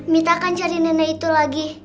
mita akan cari nenek itu lagi